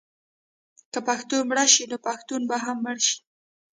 که پښتو مړه شي نو پښتون به هم مړ شي.